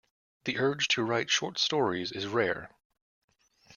The urge to write short stories is rare.